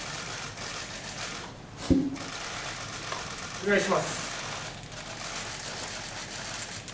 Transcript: お願いします。